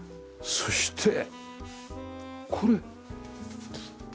そしてこれ。